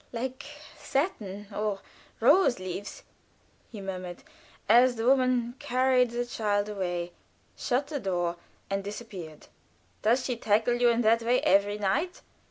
Like satin, or rose leaves!" he murmured, as the woman carried the child away, shut the door and disappeared. "Does she tackle you in that way every night?"